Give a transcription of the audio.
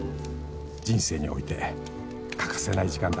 ［人生において欠かせない時間だ］